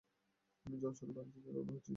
আমি জনসনের বাড়ির দিকে রওনা হচ্ছি।